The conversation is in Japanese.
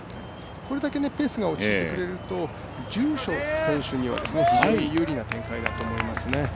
これだけペースが落ち着いてくれると住所選手には有利な展開ですね。